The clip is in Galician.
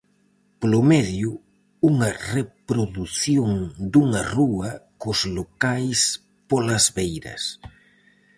Polo medio, unha reprodución dunha rúa, cos locais polas beiras.